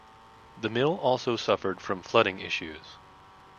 The mill also suffered from flooding issues.